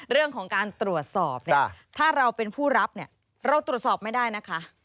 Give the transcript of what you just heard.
เรื่องของการตรวจสอบเนี่ยถ้าเราเป็นผู้รับเนี่ยเราตรวจสอบไม่ได้นะคะ